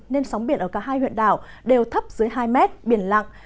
nên sóng biển ở cả hai huyện đảo đều thấp dưới hai mét biển lặng